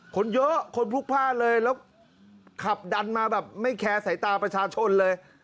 คนเยอะคนพลุกพลาดเลยแล้วขับดันมาแบบไม่แคร์สายตาประชาชนเลย